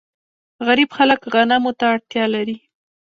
غریب خلک غنمو ته اړتیا لري.